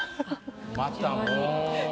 またもう。